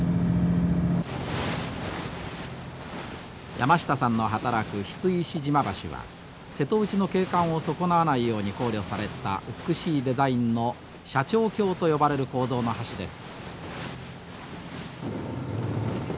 山下さんの働く櫃石島橋は瀬戸内の景観を損なわないように考慮された美しいデザインの斜張橋と呼ばれる構造の橋です。